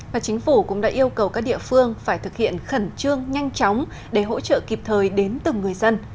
và chính phủ cũng đã yêu cầu các địa phương phải thực hiện khẩn trương nhanh chóng để hỗ trợ kịp thời đến từng người dân